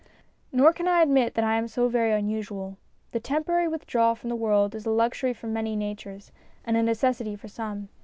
Nor can I admit that I am so very unusual. The temporary withdrawal from the world is a luxury for many natures and a necessity for some.